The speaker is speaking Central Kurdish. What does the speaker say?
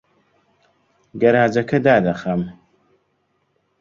گەراجەکە دادەخەم.